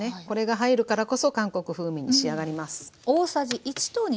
これが入るからこそ韓国風味に仕上がります。